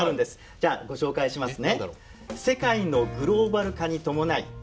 じゃあご紹介しますね。